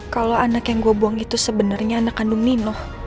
kalau anak yang gue buang itu sebenarnya anak kandung nino